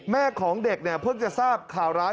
แม่ของเด็กเนี่ยเพิ่งจะทราบข่าวร้าย